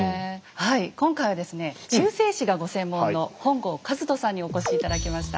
今回はですね中世史がご専門の本郷和人さんにお越し頂きました。